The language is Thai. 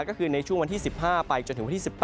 ก็คือในช่วงวันที่๑๕ไปจนถึงวันที่๑๘